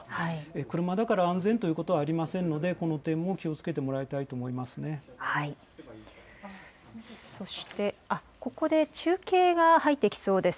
車だから安全ということはありませんので、この点も気をつけてもそして、ここで中継が入ってきそうです。